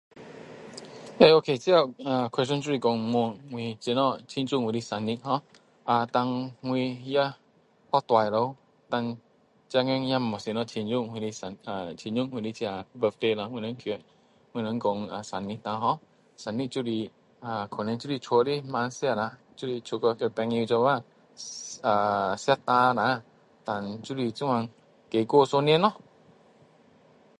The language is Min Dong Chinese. A ok 这啊 question 就是说问我怎样庆祝我的生日 ho 啊 dan 我也很大了 dan 现今也没有怎样庆祝我的生我的这 birthday lo 心我们说生日 lo ho 生日就是家里晚餐吃一下就是出去和朋友一起啊吃茶一下就是这样再过一年咯